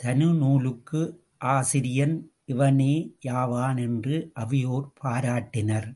தனு நூலுக்கு ஆசிரியன் இவனே யாவான் என்று அவையோர் பாராட்டினர்.